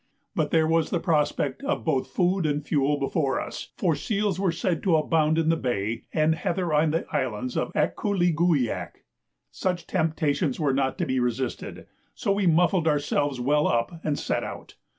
But there was the prospect of both food and fuel before us, for seals were said to abound in the bay and heather on the islands of Akkooleeguwiak. Such temptations were not to be resisted; so we muffled ourselves well up and set out.